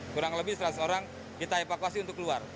kurang lebih seratus orang kita evakuasi untuk keluar